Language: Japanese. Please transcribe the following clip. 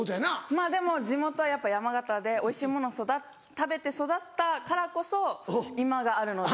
まぁでも地元はやっぱ山形でおいしいもの食べて育ったからこそ今があるので。